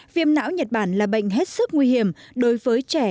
viêm não nhật bản là bệnh hết sức nguy hiểm đối với trẻ